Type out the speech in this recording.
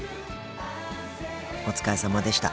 お疲れさまでした。